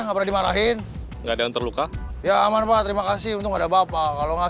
apa dimarahin enggak ada yang terluka ya aman pak terima kasih untuk ada bapak kalau